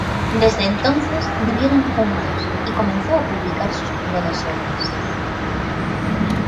Desde entonces vivieron juntos y comenzó a publicar sus primeras obras.